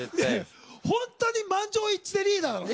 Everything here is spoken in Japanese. ホントに満場一致でリーダーなのね？